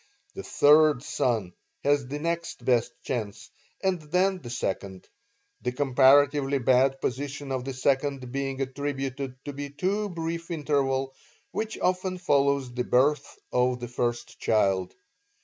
The third son has the next best chance, and then the second, the comparatively bad position of the second being attributed to the too brief interval which often follows the birth of the first child.